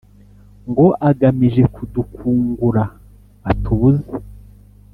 ngo agamije kudukungura atubuze